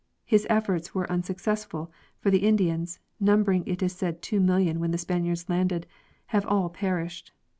His efforts were unsuccessful, for the Indians, number ing it is said 2,000,000 when the Spaniards landed, have all perished.